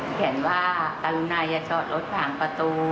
เขียนว่ากรุณาอย่าจอดรถผ่านประตู